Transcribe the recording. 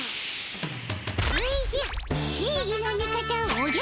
おじゃ。